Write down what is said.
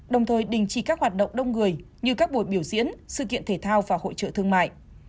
đồng thời đình chỉ các hoạt động đông người như các buổi biểu diễn sự kiện thể thao và hội trợ thương mại